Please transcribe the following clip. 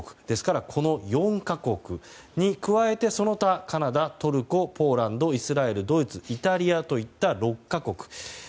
ですから、この４か国に加えてその他、カナダ、トルコポーランド、イスラエルドイツ、イタリアといった６か国。